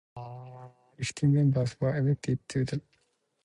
Fifteen members were elected to the Legislative Council.